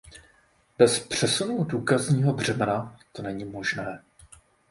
Bez přesunu důkazního břemena to není možné.